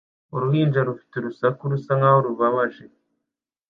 Uruhinja rufite urusaku rusa nkaho rubabaje